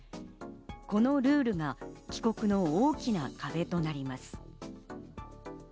このルールが帰国の大きな壁となります。